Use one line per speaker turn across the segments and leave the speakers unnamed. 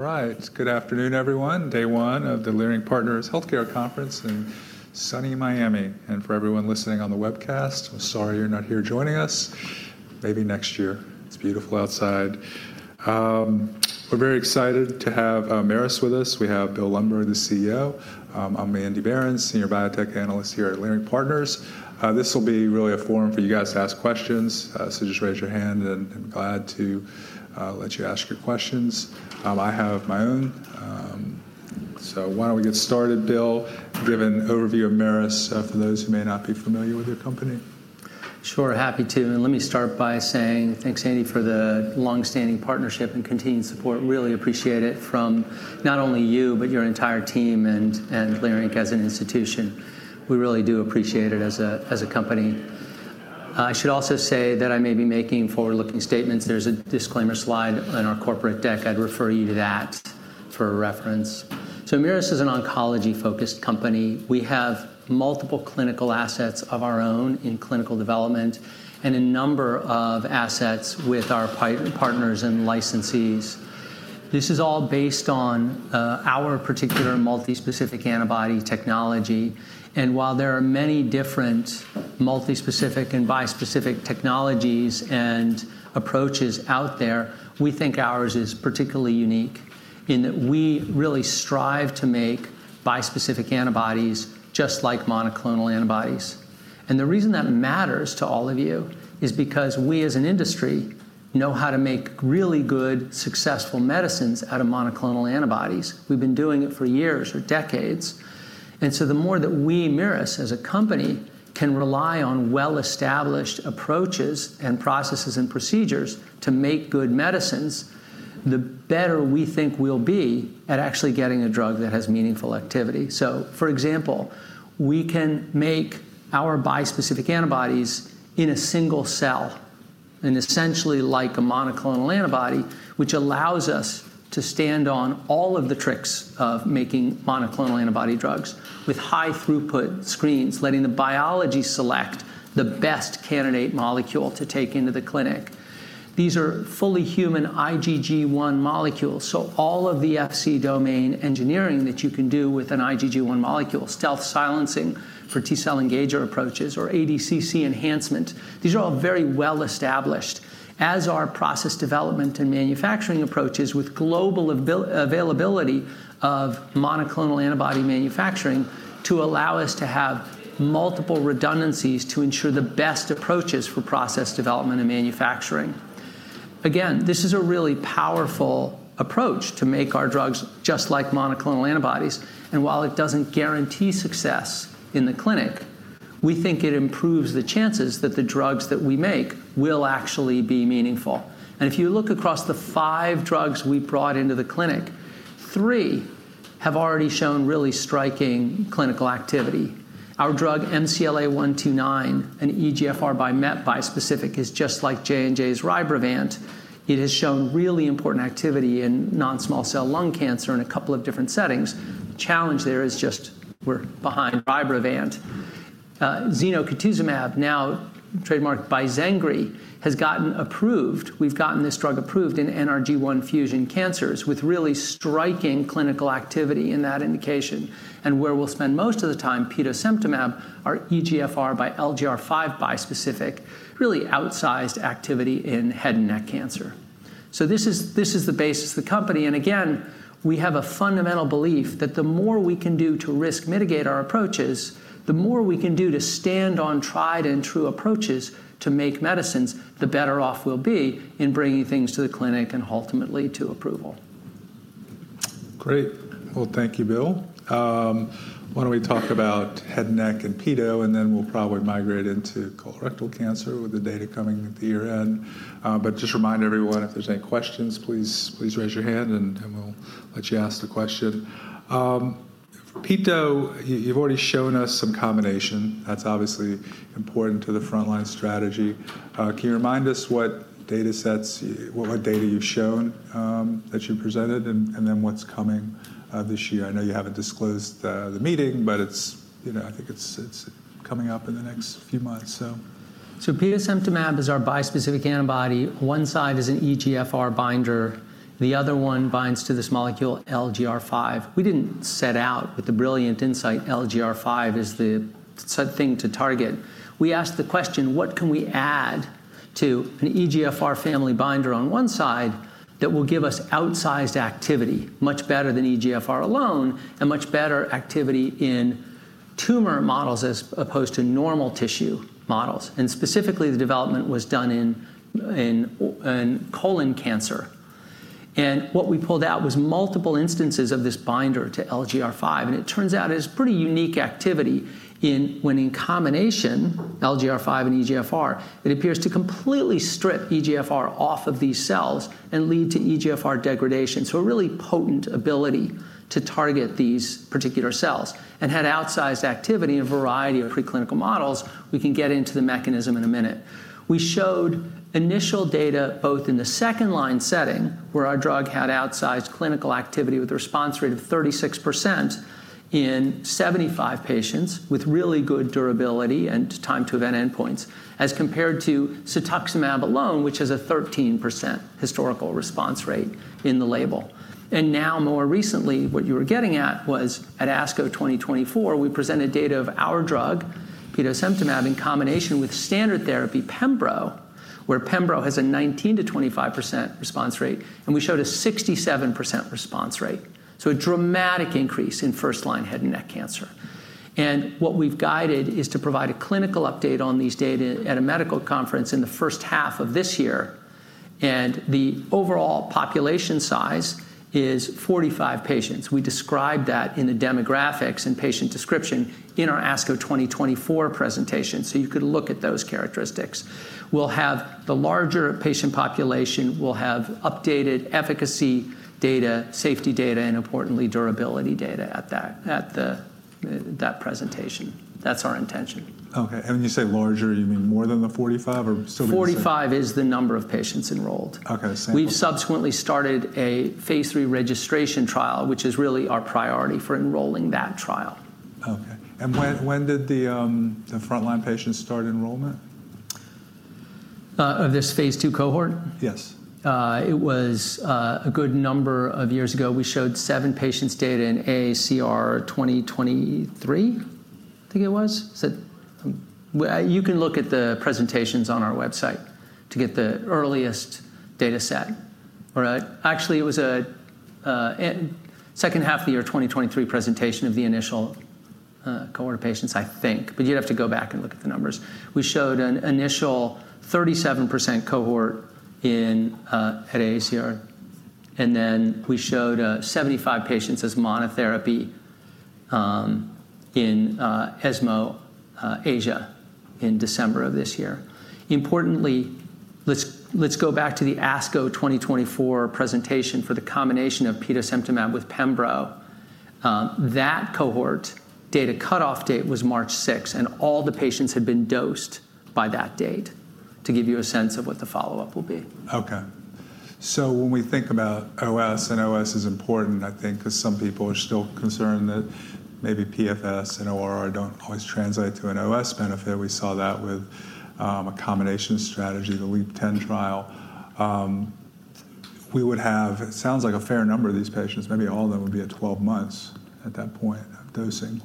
Right. Good afternoon, everyone. Day one of the Leerink Partners Healthcare Conference in sunny Miami. For everyone listening on the webcast, I'm sorry you're not here joining us. Maybe next year. It's beautiful outside. We're very excited to have Merus with us. We have Bill Lundberg, the CEO. I'm Andy Berens, Senior Biotech Analyst here at Leerink Partners. This will be really a forum for you guys to ask questions. Just raise your hand, and I'm glad to let you ask your questions. I have my own. Why don't we get started, Bill, give an overview of Merus for those who may not be familiar with your company?
Sure. Happy to. Let me start by saying thanks, Andy, for the longstanding partnership and continued support. Really appreciate it from not only you, but your entire team and Leerink as an institution. We really do appreciate it as a company. I should also say that I may be making forward-looking statements. There is a disclaimer slide on our corporate deck. I would refer you to that for reference. Merus is an oncology-focused company. We have multiple clinical assets of our own in clinical development and a number of assets with our partners and licensees. This is all based on our particular multispecific antibody technology. While there are many different multispecific and bispecific technologies and approaches out there, we think ours is particularly unique in that we really strive to make bispecific antibodies just like monoclonal antibodies. The reason that matters to all of you is because we, as an industry, know how to make really good, successful medicines out of monoclonal antibodies. We've been doing it for years or decades. The more that we, Merus, as a company, can rely on well-established approaches and processes and procedures to make good medicines, the better we think we'll be at actually getting a drug that has meaningful activity. For example, we can make our bispecific antibodies in a single cell, essentially like a monoclonal antibody, which allows us to stand on all of the tricks of making monoclonal antibody drugs with high-throughput screens, letting the biology select the best candidate molecule to take into the clinic. These are fully human IgG1 molecules. All of the Fc domain engineering that you can do with an IgG1 molecule, stealth silencing for T-cell engager approaches, or ADCC enhancement, these are all very well-established, as are process development and manufacturing approaches with global availability of monoclonal antibody manufacturing to allow us to have multiple redundancies to ensure the best approaches for process development and manufacturing. This is a really powerful approach to make our drugs just like monoclonal antibodies. While it does not guarantee success in the clinic, we think it improves the chances that the drugs that we make will actually be meaningful. If you look across the five drugs we brought into the clinic, three have already shown really striking clinical activity. Our drug, MCLA-129, an EGFR-MET bispecific, is just like J&J's Rybrevant. It has shown really important activity in non-small cell lung cancer in a couple of different settings. The challenge there is just we're behind Rybrevant. Zenocutuzumab, now trademarked Bizengri, has gotten approved. We've gotten this drug approved in NRG1 fusion cancers with really striking clinical activity in that indication. Where we'll spend most of the time, petosemtamab, our EGFR x LGR5 bispecific, really outsized activity in head and neck cancer. This is the basis of the company. Again, we have a fundamental belief that the more we can do to risk mitigate our approaches, the more we can do to stand on tried-and-true approaches to make medicines, the better off we'll be in bringing things to the clinic and ultimately to approval.
Great. Thank you, Bill. Why don't we talk about head and neck and peto, and then we'll probably migrate into colorectal cancer with the data coming at the year-end. Just remind everyone, if there's any questions, please raise your hand, and we'll let you ask the question. Peto, you've already shown us some combination. That's obviously important to the frontline strategy. Can you remind us what data sets, what data you've shown that you presented, and then what's coming this year? I know you haven't disclosed the meeting, but I think it's coming up in the next few months.
Petosemtamab is our bispecific antibody. One side is an EGFR binder. The other one binds to this molecule, LGR5. We didn't set out with the brilliant insight LGR5 is the thing to target. We asked the question, what can we add to an EGFR family binder on one side that will give us outsized activity, much better than EGFR alone, and much better activity in tumor models as opposed to normal tissue models? Specifically, the development was done in colon cancer. What we pulled out was multiple instances of this binder to LGR5. It turns out it has pretty unique activity when in combination, LGR5 and EGFR, it appears to completely strip EGFR off of these cells and lead to EGFR degradation. A really potent ability to target these particular cells. Had outsized activity in a variety of preclinical models, we can get into the mechanism in a minute. We showed initial data both in the second-line setting, where our drug had outsized clinical activity with a response rate of 36% in 75 patients with really good durability and time-to-event endpoints, as compared to cetuximab alone, which has a 13% historical response rate in the label. More recently, what you were getting at was at ASCO 2024, we presented data of our drug, petosemtamab, in combination with standard therapy, pembro, where pembro has a 19%-25% response rate. We showed a 67% response rate. A dramatic increase in first-line head and neck cancer. What we've guided is to provide a clinical update on these data at a medical conference in the first half of this year. The overall population size is 45 patients. We described that in the demographics and patient description in our ASCO 2024 presentation. You could look at those characteristics. We'll have the larger patient population. We'll have updated efficacy data, safety data, and importantly, durability data at that presentation. That's our intention.
OK. When you say larger, you mean more than the 45 or still?
45 is the number of patients enrolled.
OK.
We've subsequently started a phase III registration trial, which is really our priority for enrolling that trial.
OK. When did the frontline patients start enrollment?
Of this phase II cohort?
Yes.
It was a good number of years ago. We showed seven patients' data in AACR 2023, I think it was. You can look at the presentations on our website to get the earliest data set. Actually, it was a second half of the year 2023 presentation of the initial cohort of patients, I think. You'd have to go back and look at the numbers. We showed an initial 37% cohort at AACR. We showed 75 patients as monotherapy in ESMO Asia in December of this year. Importantly, let's go back to the ASCO 2024 presentation for the combination of petosemtamab with pembro. That cohort, data cutoff date was March 6. All the patients had been dosed by that date to give you a sense of what the follow-up will be.
OK. When we think about OS, and OS is important, I think, because some people are still concerned that maybe PFS and ORR do not always translate to an OS benefit. We saw that with a combination strategy, the LEAP-10 trial. We would have, it sounds like, a fair number of these patients. Maybe all of them would be at 12 months at that point of dosing.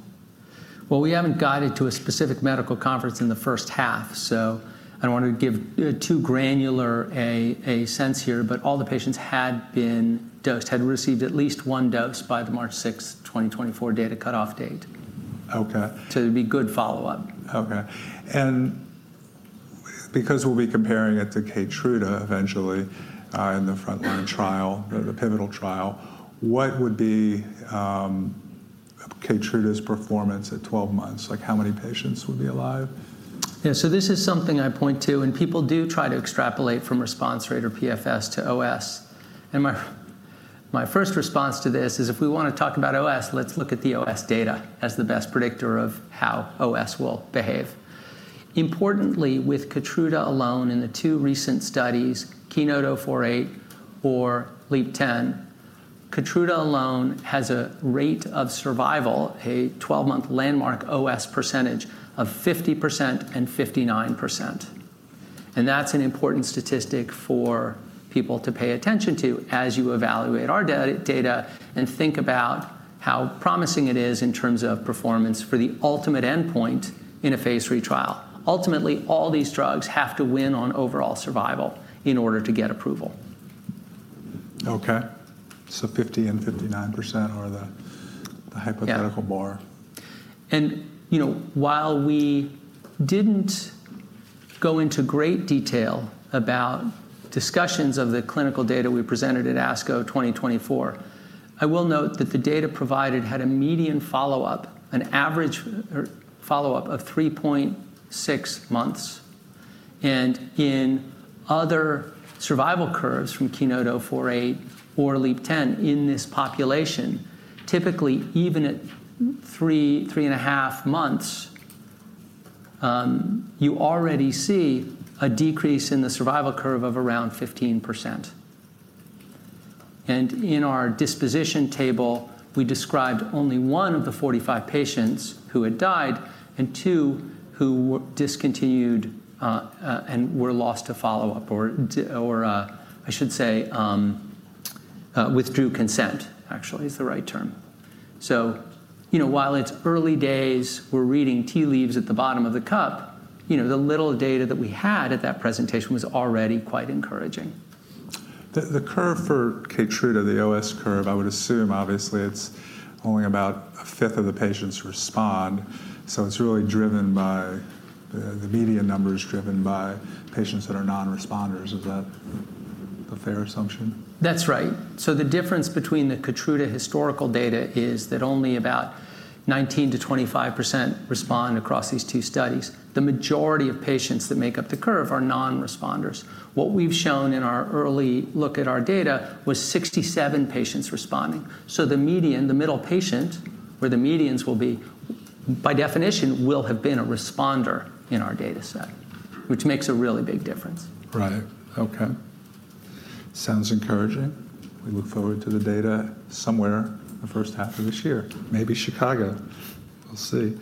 We have not guided to a specific medical conference in the first half. I do not want to give too granular a sense here. All the patients had been dosed, had received at least one dose by the March 6, 2024 data cutoff date.
OK.
It'd be good follow-up.
OK. Because we'll be comparing it to Keytruda eventually in the frontline trial, the pivotal trial, what would be Keytruda's performance at 12 months? How many patients would be alive?
Yeah. This is something I point to. People do try to extrapolate from response rate or PFS to OS. My first response to this is, if we want to talk about OS, let's look at the OS data as the best predictor of how OS will behave. Importantly, with Keytruda alone in the two recent studies, KEYNOTE-048 or LEAP-10, Keytruda alone has a rate of survival, a 12-month landmark OS percentage of 50% and 59%. That's an important statistic for people to pay attention to as you evaluate our data and think about how promising it is in terms of performance for the ultimate endpoint in a phase III trial. Ultimately, all these drugs have to win on overall survival in order to get approval.
OK. 50% and 59% are the hypothetical bar.
While we didn't go into great detail about discussions of the clinical data we presented at ASCO 2024, I will note that the data provided had a median follow-up, an average follow-up of 3.6 months. In other survival curves from KEYNOTE-048 or LEAP-10 in this population, typically, even at three, three and a half months, you already see a decrease in the survival curve of around 15%. In our disposition table, we described only one of the 45 patients who had died and two who were discontinued and were lost to follow-up or, I should say, withdrew consent, actually, is the right term. While it's early days, we're reading tea leaves at the bottom of the cup, the little data that we had at that presentation was already quite encouraging.
The curve for Keytruda, the OS curve, I would assume, obviously, it's only about a fifth of the patients respond. It's really driven by the median numbers driven by patients that are non-responders. Is that a fair assumption?
That's right. The difference between the Keytruda historical data is that only about 19%-25% respond across these two studies. The majority of patients that make up the curve are non-responders. What we've shown in our early look at our data was 67 patients responding. The median, the middle patient, where the medians will be, by definition, will have been a responder in our data set, which makes a really big difference.
Right. OK. Sounds encouraging. We look forward to the data somewhere in the first half of this year, maybe Chicago. We'll see.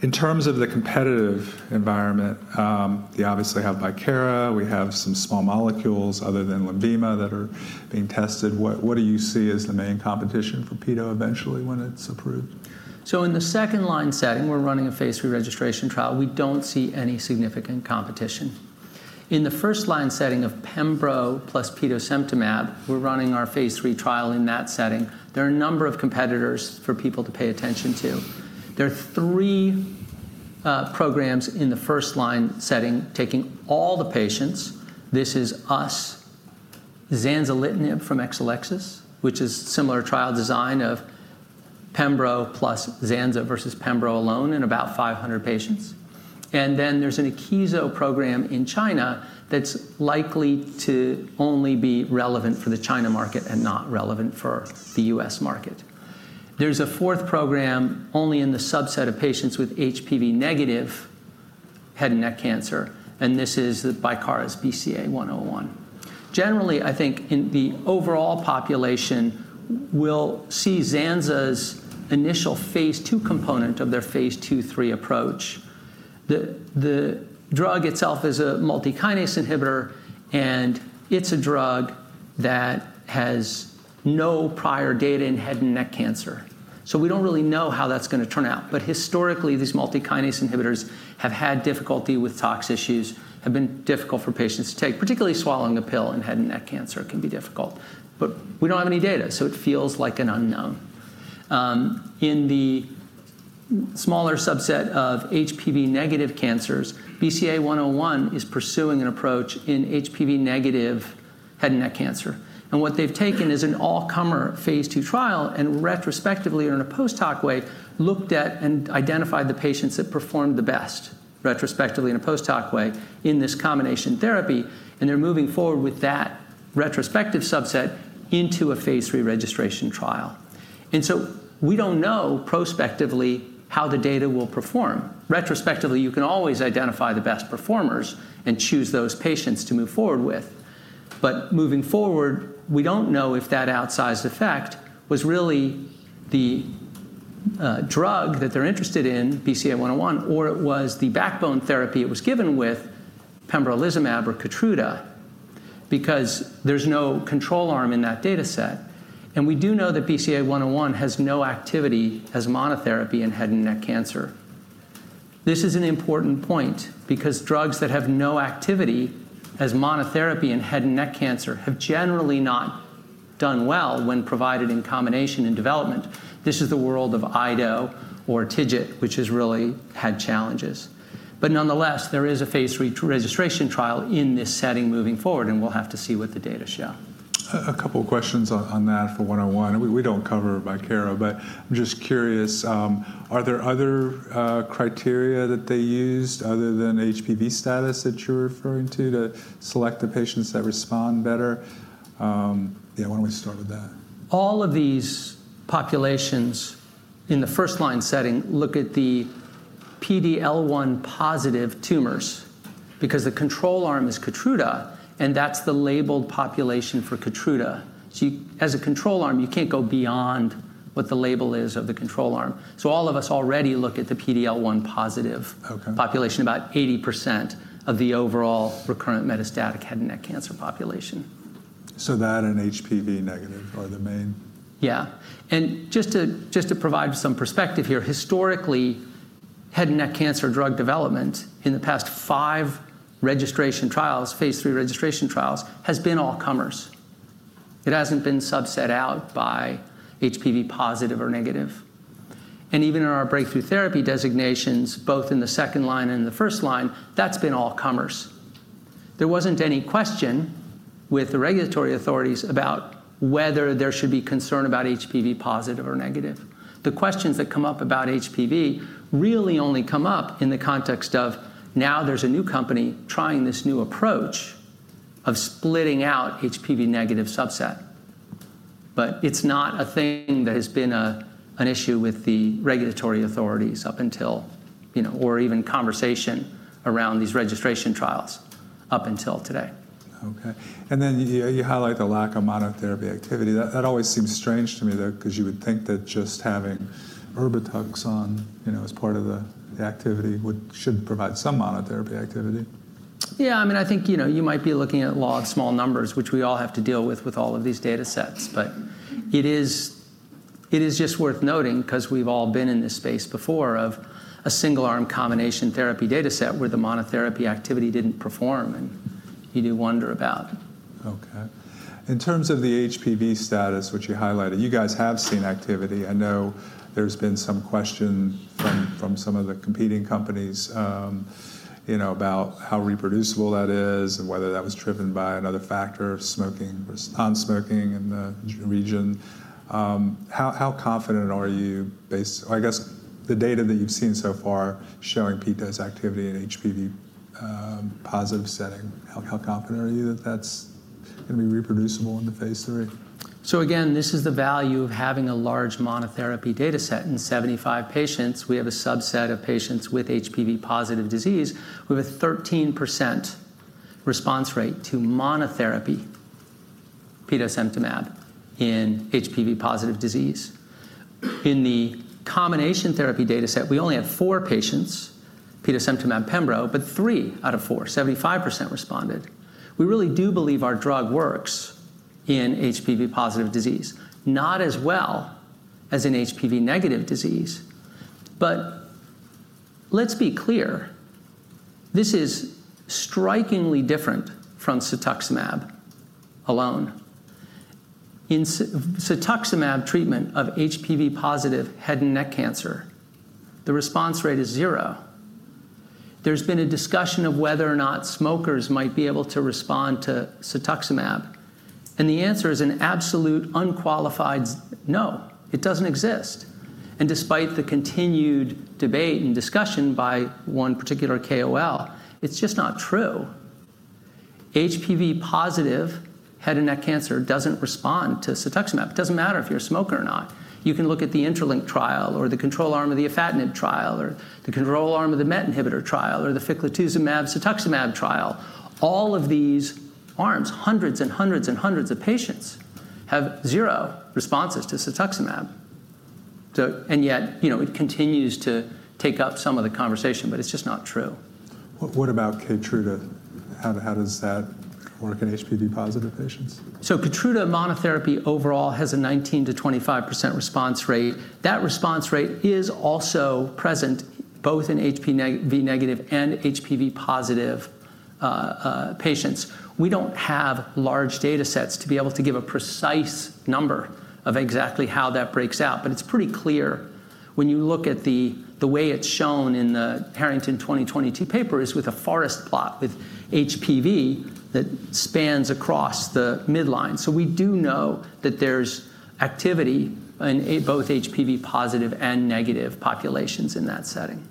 In terms of the competitive environment, we obviously have Bicara. We have some small molecules other than Lenvima that are being tested. What do you see as the main competition for peto eventually when it's approved?
In the second-line setting, we're running a phase III registration trial. We don't see any significant competition. In the first-line setting of pembro plus petosemtamab, we're running our phase III trial in that setting. There are a number of competitors for people to pay attention to. There are three programs in the first-line setting taking all the patients. This is us, zanzalintinib from Exelixis, which is a similar trial design of pembro plus zanza versus pembro alone in about 500 patients. There is an Akeso program in China that's likely to only be relevant for the China market and not relevant for the U.S. market. There is a fourth program only in the subset of patients with HPV-negative head and neck cancer. This is Bicara's BCA101. Generally, I think in the overall population, we'll see zanza's initial phase II component of their phase II-III approach. The drug itself is a multikinase inhibitor. It's a drug that has no prior data in head and neck cancer. We don't really know how that's going to turn out. Historically, these multikinase inhibitors have had difficulty with tox issues, have been difficult for patients to take, particularly swallowing a pill in head and neck cancer can be difficult. We don't have any data. It feels like an unknown. In the smaller subset of HPV-negative cancers, BCA101 is pursuing an approach in HPV-negative head and neck cancer. What they've taken is an all-comer phase II trial and retrospectively, or in a post-hoc way, looked at and identified the patients that performed the best retrospectively in a post-hoc way in this combination therapy. They're moving forward with that retrospective subset into a phase III registration trial. We do not know prospectively how the data will perform. Retrospectively, you can always identify the best performers and choose those patients to move forward with. Moving forward, we do not know if that outsized effect was really the drug that they are interested in, BCA101, or it was the backbone therapy it was given with pembrolizumab or Keytruda because there is no control arm in that data set. We do know that BCA101 has no activity as monotherapy in head and neck cancer. This is an important point because drugs that have no activity as monotherapy in head and neck cancer have generally not done well when provided in combination in development. This is the world of IDO or TIGIT, which has really had challenges. Nonetheless, there is a phase III registration trial in this setting moving forward. We will have to see what the data show.
A couple of questions on that for 101. We do not cover Bicara. I am just curious, are there other criteria that they used other than HPV status that you are referring to to select the patients that respond better? Yeah. Why do we not start with that?
All of these populations in the first-line setting look at the PD-L1 positive tumors because the control arm is Keytruda. That is the labeled population for Keytruda. As a control arm, you cannot go beyond what the label is of the control arm. All of us already look at the PD-L1 positive population, about 80% of the overall recurrent metastatic head and neck cancer population.
That and HPV negative are the main?
Yeah. Just to provide some perspective here, historically, head and neck cancer drug development in the past five registration trials, phase three registration trials, has been all-comers. It has not been subset out by HPV positive or negative. Even in our breakthrough therapy designations, both in the second line and in the first line, that has been all-comers. There was not any question with the regulatory authorities about whether there should be concern about HPV positive or negative. The questions that come up about HPV really only come up in the context of now there is a new company trying this new approach of splitting out HPV negative subset. It is not a thing that has been an issue with the regulatory authorities up until or even conversation around these registration trials up until today.
OK. You highlight the lack of monotherapy activity. That always seems strange to me because you would think that just having Erbitux as part of the activity should provide some monotherapy activity.
Yeah. I mean, I think you might be looking at a lot of small numbers, which we all have to deal with with all of these data sets. It is just worth noting because we've all been in this space before of a single-arm combination therapy data set where the monotherapy activity didn't perform. You do wonder about.
OK. In terms of the HPV status, which you highlighted, you guys have seen activity. I know there's been some question from some of the competing companies about how reproducible that is and whether that was driven by another factor of smoking versus non-smoking in the region. How confident are you based on, I guess, the data that you've seen so far showing peto activity in HPV positive setting? How confident are you that that's going to be reproducible in the phase III?
This is the value of having a large monotherapy data set. In 75 patients, we have a subset of patients with HPV positive disease with a 13% response rate to monotherapy petosemtamab in HPV positive disease. In the combination therapy data set, we only have four patients, petosemtamab, pembro, but three out of four, 75% responded. We really do believe our drug works in HPV positive disease, not as well as in HPV negative disease. Let's be clear, this is strikingly different from cetuximab alone. In cetuximab treatment of HPV positive head and neck cancer, the response rate is zero. There has been a discussion of whether or not smokers might be able to respond to cetuximab. The answer is an absolute unqualified no. It does not exist. Despite the continued debate and discussion by one particular KOL, it is just not true. HPV positive head and neck cancer doesn't respond to cetuximab. It doesn't matter if you're a smoker or not. You can look at the Interlink trial or the control arm of the afatinib trial or the control arm of the MET inhibitor trial or the ficlatuzumab cetuximab trial. All of these arms, hundreds and hundreds and hundreds of patients have zero responses to cetuximab. Yet it continues to take up some of the conversation. It's just not true.
What about Keytruda? How does that work in HPV positive patients?
Keytruda monotherapy overall has a 19%-25% response rate. That response rate is also present both in HPV negative and HPV positive patients. We do not have large data sets to be able to give a precise number of exactly how that breaks out. It is pretty clear when you look at the way it is shown in the Harrington 2022 paper, with a forest plot with HPV that spans across the midline. We do know that there is activity in both HPV positive and negative populations in that setting.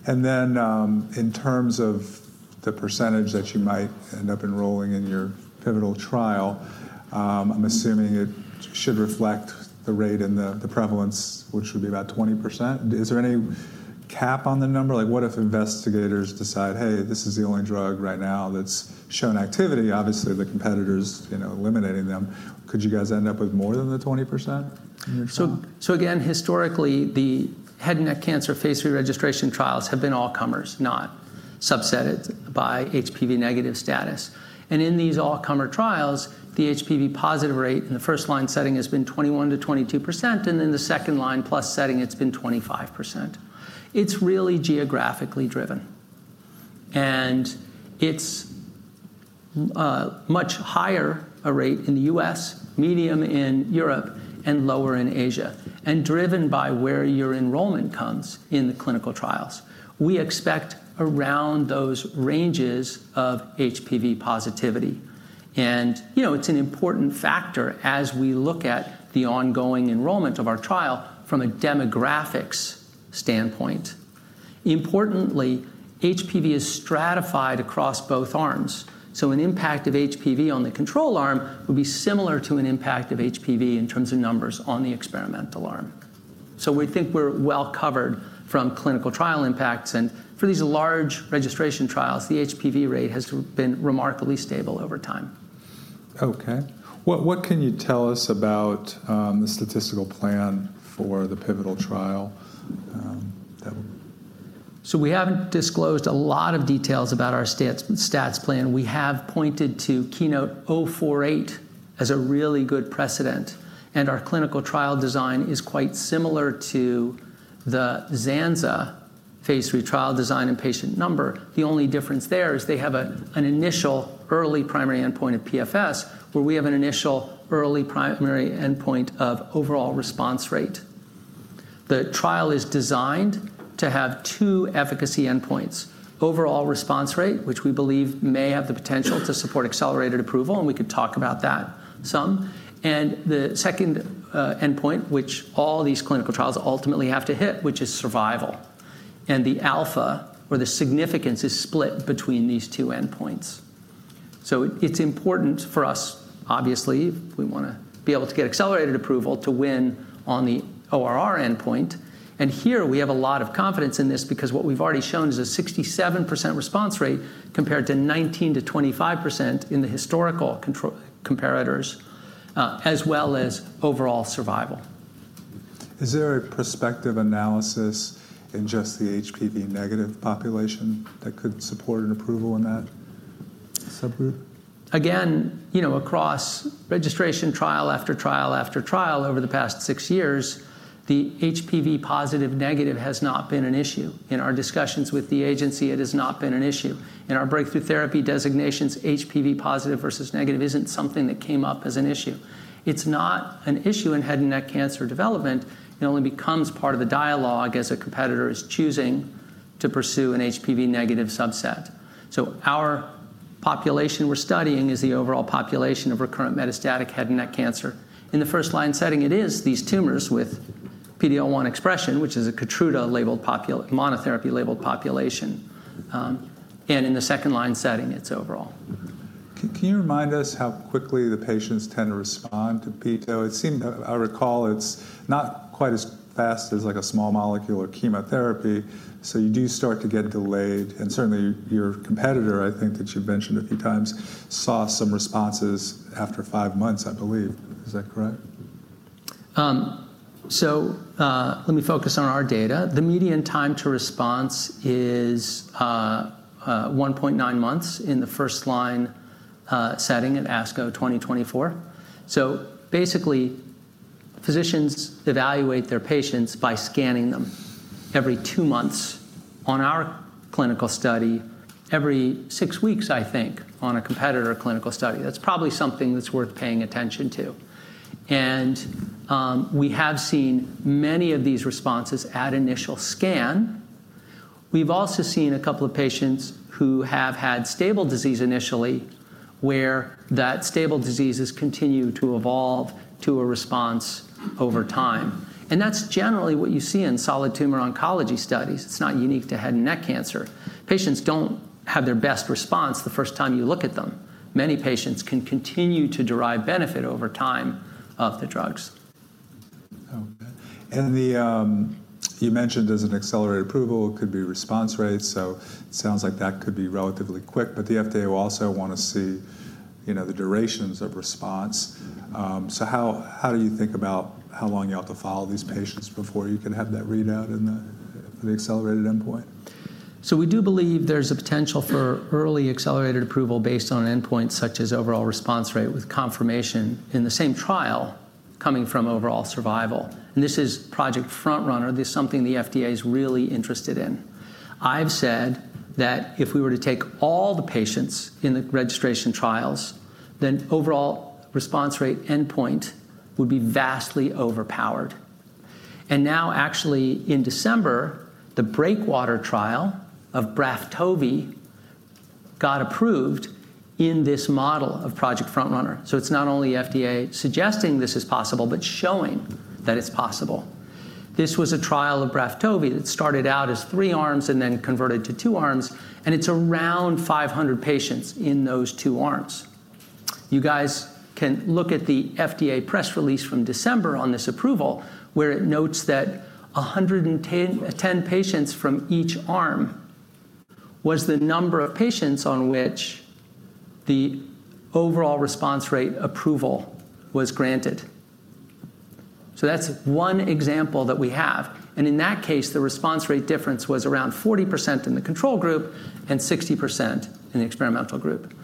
OK. In terms of the percentage that you might end up enrolling in your pivotal trial, I'm assuming it should reflect the rate and the prevalence, which would be about 20%. Is there any cap on the number? Like what if investigators decide, hey, this is the only drug right now that's shown activity, obviously the competitors eliminating them, could you guys end up with more than the 20% in your trial?
Historically, the head and neck cancer phase III registration trials have been all-comers, not subsetted by HPV negative status. In these all-comer trials, the HPV positive rate in the first-line setting has been 21%-22%. In the second-line plus setting, it's been 25%. It's really geographically driven. It's much higher a rate in the U.S., medium in Europe, and lower in Asia, and driven by where your enrollment comes in the clinical trials. We expect around those ranges of HPV positivity. It's an important factor as we look at the ongoing enrollment of our trial from a demographics standpoint. Importantly, HPV is stratified across both arms. An impact of HPV on the control arm would be similar to an impact of HPV in terms of numbers on the experimental arm. We think we're well covered from clinical trial impacts. For these large registration trials, the HPV rate has been remarkably stable over time.
OK. What can you tell us about the statistical plan for the pivotal trial?
We have not disclosed a lot of details about our stats plan. We have pointed to KEYNOTE-048 as a really good precedent. Our clinical trial design is quite similar to the zanzalintinib phase III trial design and patient number. The only difference there is they have an initial early primary endpoint of PFS, where we have an initial early primary endpoint of overall response rate. The trial is designed to have two efficacy endpoints: overall response rate, which we believe may have the potential to support accelerated approval. We could talk about that some. The second endpoint, which all these clinical trials ultimately have to hit, is survival. The alpha or the significance is split between these two endpoints. It is important for us, obviously, if we want to be able to get accelerated approval to win on the ORR endpoint. We have a lot of confidence in this because what we've already shown is a 67% response rate compared to 19%-25% in the historical comparators, as well as overall survival.
Is there a prospective analysis in just the HPV negative population that could support an approval in that subgroup?
Again, across registration trial after trial after trial over the past six years, the HPV positive negative has not been an issue. In our discussions with the agency, it has not been an issue. In our breakthrough therapy designations, HPV positive versus negative isn't something that came up as an issue. It's not an issue in head and neck cancer development. It only becomes part of the dialogue as a competitor is choosing to pursue an HPV negative subset. Our population we're studying is the overall population of recurrent metastatic head and neck cancer. In the first-line setting, it is these tumors with PD-L1 expression, which is a Keytruda monotherapy labeled population. In the second-line setting, it's overall.
Can you remind us how quickly the patients tend to respond to PDO? I recall it's not quite as fast as like a small molecule or chemotherapy. You do start to get delayed. Certainly your competitor, I think that you've mentioned a few times, saw some responses after five months, I believe. Is that correct?
Let me focus on our data. The median time to response is 1.9 months in the first-line setting at ASCO 2024. Basically, physicians evaluate their patients by scanning them every two months on our clinical study, every six weeks, I think, on a competitor clinical study. That's probably something that's worth paying attention to. We have seen many of these responses at initial scan. We've also seen a couple of patients who have had stable disease initially, where that stable disease has continued to evolve to a response over time. That's generally what you see in solid tumor oncology studies. It's not unique to head and neck cancer. Patients don't have their best response the first time you look at them. Many patients can continue to derive benefit over time of the drugs.
You mentioned there's an accelerated approval. It could be response rate. It sounds like that could be relatively quick. The FDA will also want to see the durations of response. How do you think about how long you have to follow these patients before you can have that readout for the accelerated endpoint?
We do believe there's a potential for early accelerated approval based on endpoints such as overall response rate with confirmation in the same trial coming from overall survival. This is Project FrontRunner. This is something the FDA is really interested in. I've said that if we were to take all the patients in the registration trials, then overall response rate endpoint would be vastly overpowered. Actually, in December, the Breakwater trial of Braftovi got approved in this model of Project FrontRunner. It's not only FDA suggesting this is possible, but showing that it's possible. This was a trial of Braftovi that started out as three arms and then converted to two arms. It's around 500 patients in those two arms. You guys can look at the FDA press release from December on this approval, where it notes that 110 patients from each arm was the number of patients on which the overall response rate approval was granted. That is one example that we have. In that case, the response rate difference was around 40% in the control group and 60% in the experimental group.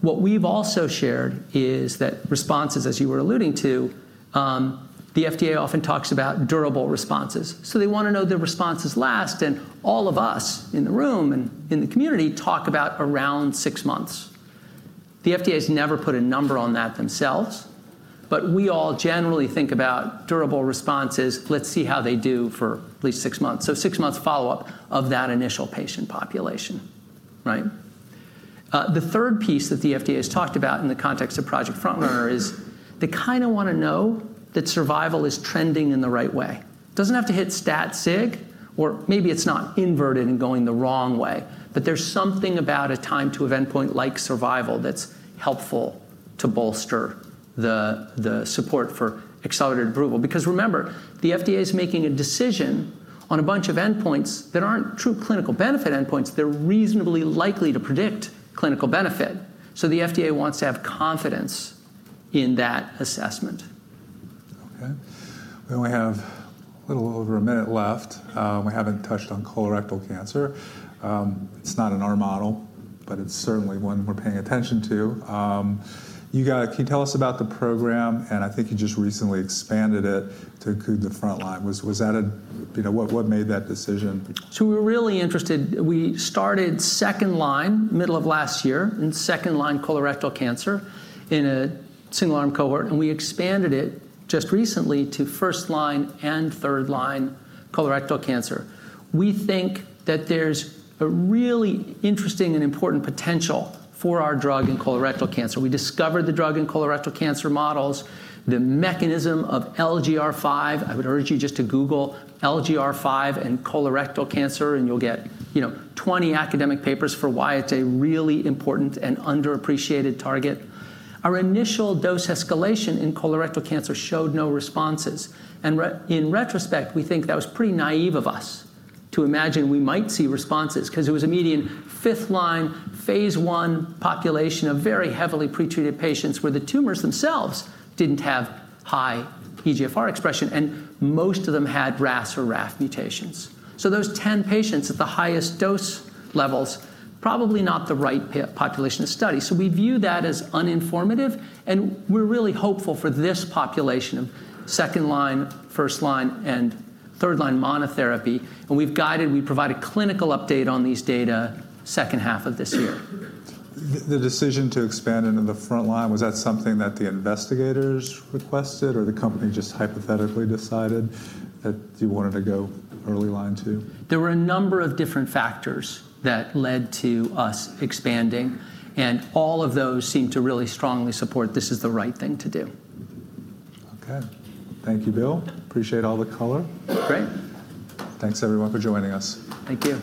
What we've also shared is that responses, as you were alluding to, the FDA often talks about durable responses. They want to know the responses last. All of us in the room and in the community talk about around six months. The FDA has never put a number on that themselves. We all generally think about durable responses. Let's see how they do for at least six months, so six months follow-up of that initial patient population. The third piece that the FDA has talked about in the context of Project FrontRunner is they kind of want to know that survival is trending in the right way. It doesn't have to hit stat sig, or maybe it's not inverted and going the wrong way. There's something about a time to event point like survival that's helpful to bolster the support for accelerated approval. Because remember, the FDA is making a decision on a bunch of endpoints that aren't true clinical benefit endpoints. They're reasonably likely to predict clinical benefit. The FDA wants to have confidence in that assessment.
We only have a little over a minute left. We have not touched on colorectal cancer. It is not in our model, but it is certainly one we are paying attention to. Can you tell us about the program? I think you just recently expanded it to include the front line. What made that decision?
We're really interested. We started second line middle of last year in second line colorectal cancer in a single arm cohort. We expanded it just recently to first line and third line colorectal cancer. We think that there's a really interesting and important potential for our drug in colorectal cancer. We discovered the drug in colorectal cancer models, the mechanism of LGR5. I would urge you just to Google LGR5 and colorectal cancer, and you'll get 20 academic papers for why it's a really important and underappreciated target. Our initial dose escalation in colorectal cancer showed no responses. In retrospect, we think that was pretty naive of us to imagine we might see responses because it was a median fifth line phase one population of very heavily pretreated patients where the tumors themselves didn't have high EGFR expression. Most of them had RAS or RAF mutations. Those 10 patients at the highest dose levels, probably not the right population to study. We view that as uninformative. We are really hopeful for this population of second line, first line, and third line monotherapy. We have provided clinical update on these data second half of this year.
The decision to expand into the front line, was that something that the investigators requested or the company just hypothetically decided that you wanted to go early line too?
There were a number of different factors that led to us expanding. All of those seem to really strongly support this is the right thing to do.
OK. Thank you, Bill. Appreciate all the color.
Great.
Thanks, everyone, for joining us.
Thank you.